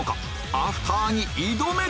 アフターに挑め！